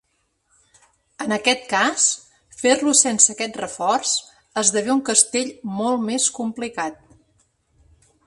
En aquest cas, fer-lo sense aquest reforç esdevé un castell molt més complicat.